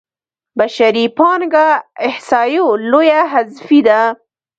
بشري پانګه احصایو لویه حذفي ده.